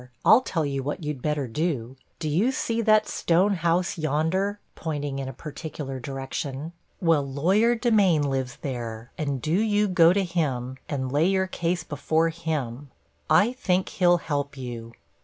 I'll tell you what you'd better do. Do you see that stone house yonder?' pointing in a particular direction. 'Well, lawyer Demain lives there, and do you go to him, and lay your case before him; I think he'll help you.